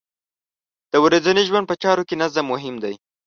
د ورځنۍ ژوند په چارو کې نظم مهم دی.